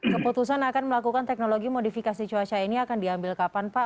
keputusan akan melakukan teknologi modifikasi cuaca ini akan diambil kapan pak